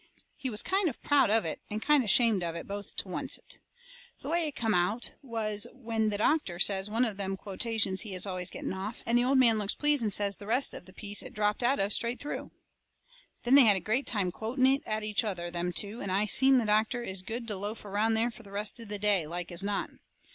He was kind of proud of it and kind of shamed of it both to oncet. The way it come out was when the doctor says one of them quotations he is always getting off, and the old man he looks pleased and says the rest of the piece it dropped out of straight through. Then they had a great time quoting it at each other, them two, and I seen the doctor is good to loaf around there the rest of the day, like as not.